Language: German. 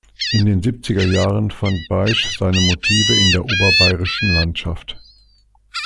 In den siebziger Jahren fand Baisch seine Motive in der oberbayerischen Landschaft.